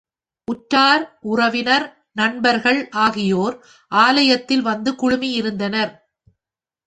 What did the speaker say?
உற்றார், உறவினர், நண்பர்கள் ஆகியோர் ஆலயத்தில் வந்து குழுமியிருந்தனர்.